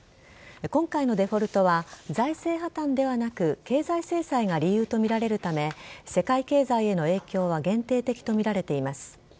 今回のデフォルトは財政破綻ではなく経済制裁が理由とみられるため世界経済への影響は限定的とみられています。